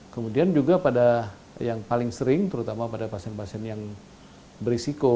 kemudian juga pada yang paling sering terutama pada pasien pasien yang berisiko